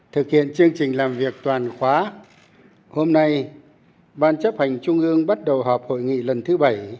thực hiện chương trình làm việc toàn khóa hôm nay ban chấp hành trung ương bắt đầu họp hội nghị lần thứ bảy